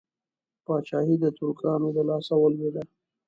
پاچهي د ترکانو د لاسه ولوېده.